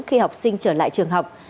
khi học sinh trở lại trường học